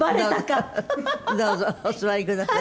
どうぞお座りください。